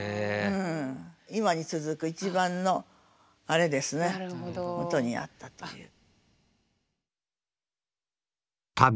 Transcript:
今に続く一番のあれですねもとにあったという。